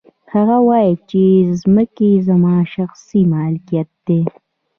هغه وايي چې ځمکې زما شخصي ملکیت دی